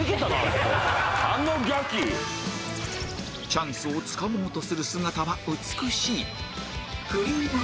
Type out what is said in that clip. チャンスをつかもうとする姿は美しい